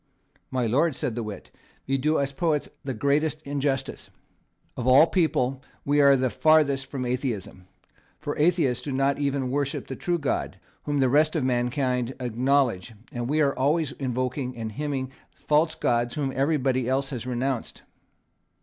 "My lord," said the wit, "you do us poets the greatest injustice. Of all people we are the farthest from atheism. For the atheists do not even worship the true God, whom the rest of mankind acknowledge; and we are always invoking and hymning false gods whom everybody else has renounced."